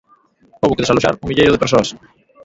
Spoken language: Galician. Houbo que desaloxar un milleiro de persoas.